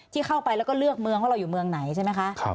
ที่เข้าไปแล้วก็เลือกเมืองว่าเราอยู่เมืองไหนใช่ไหมคะ